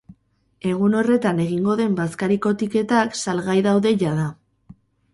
Egun horretan egingo den bazkariko tiketak salgai daude jada.